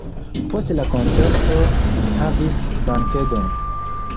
Post la koncerto ni havis bankedon.